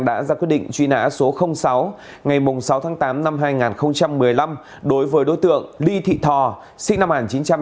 đã ra quyết định truy nã số sáu ngày sáu tháng tám năm hai nghìn một mươi năm đối với đối tượng ly thị thò sinh năm một nghìn chín trăm tám mươi